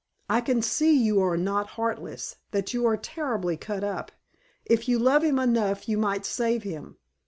I can see you are not heartless, that you are terribly cut up. If you love him enough you might save him.